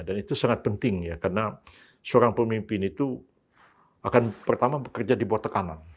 dan itu sangat penting ya karena seorang pemimpin itu akan pertama bekerja di bawah tekanan